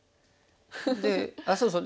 であっそうそう。